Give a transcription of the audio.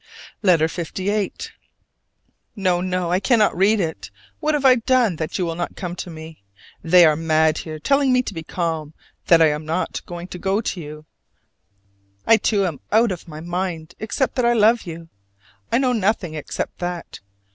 LETTER LVIII. No, no, I cannot read it! What have I done that you will not come to me? They are mad here, telling me to be calm, that I am not to go to you. I too am out of my mind except that I love you. I know nothing except that.